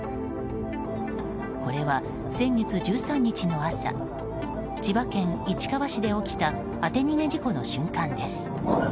これは先月１３日の朝千葉県市川市で起きた当て逃げ事故の瞬間です。